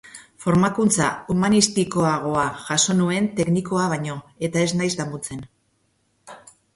Formakuntza humanistikoagoa jaso nuen teknikoa baino, eta ez naiz damutzen.